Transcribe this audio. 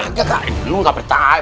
kagak kak ini lu nggak beritahu